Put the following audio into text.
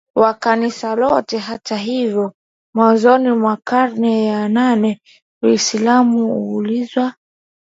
wa Kanisa lote Hata hivyo mwanzoni mwa karne ya nane Uislamu ulizuiwa